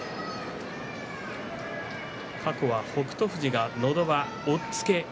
過去は北勝富士がのど輪、押っつけ